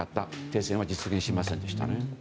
停戦は実現しませんでしたね。